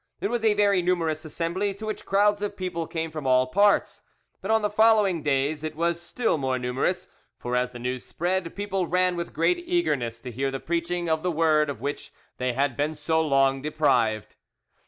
It was a very numerous assembly, to which crowds of people came from all parts; but on the following days it was still more numerous; for, as the news spread, people ran with great eagerness to hear the preaching of the word of which they had been so long deprived.